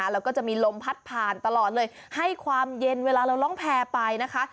แล้วก็จะมีลมพัดผ่านตลอดเลยให้ความเย็นเวลาเราร่องแพร่ไปนะคะ